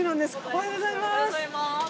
おはようございます。